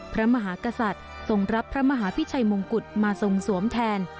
พระมหากษัตริย์ทรงรับพระมหาพิชัยมงกุฎมาทรงสวมแทน